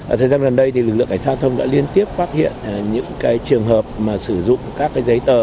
ở thời gian gần đây lực lượng cảnh sát giao thông đã liên tiếp phát hiện những trường hợp sử dụng các giấy tờ